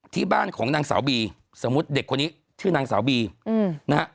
ที่บ้านของนางสาวบีสมมุติเด็กคนนี้ชื่อนางสาวบีนะฮะ